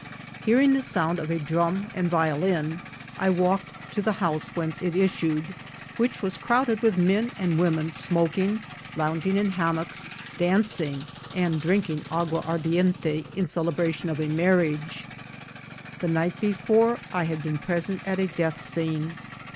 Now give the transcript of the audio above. Hearing the sound of a drum and violin, I walked to the house whence it is •oed, which was crowded witfi men and wometk smo* king, lounging in hammocks, dancing, and drinking agua ardiente, in celebration of a marriage* The night befcnre I had been pr^ient at a deadi ecene.